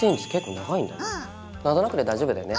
何となくで大丈夫だよね？